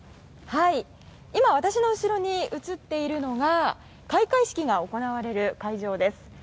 今、私の後ろに映っているのが開会式が行われる会場です。